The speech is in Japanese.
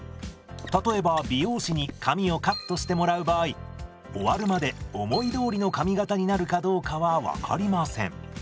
例えば美容師に髪をカットしてもらう場合終わるまで思いどおりの髪形になるかどうかは分かりません。